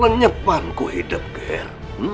lanyepanku hidup ngir